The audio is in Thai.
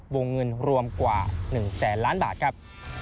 วงเงินรวมกว่า๑แสนล้านบาทครับ